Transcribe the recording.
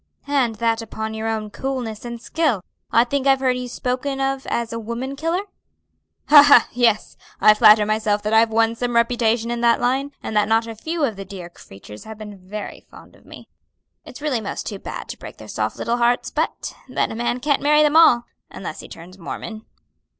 "And that upon your own coolness and skill. I think I've heard you spoken of as a woman killer?" "Ha, ha! Yes, I flatter myself that I have won some reputation in that line, and that not a few of the dear creatures have been very fond of me. It's really most too bad to break their soft little hearts; but then a man can't marry 'em all; unless he turns Mormon."